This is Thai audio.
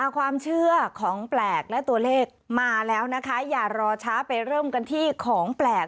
ความเชื่อของแปลกและตัวเลขมาแล้วนะคะอย่ารอช้าไปเริ่มกันที่ของแปลก